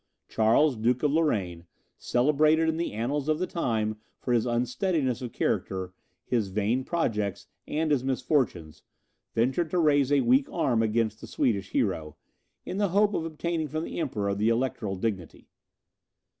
Charles, Duke of Lorraine, celebrated in the annals of the time for his unsteadiness of character, his vain projects, and his misfortunes, ventured to raise a weak arm against the Swedish hero, in the hope of obtaining from the Emperor the electoral dignity.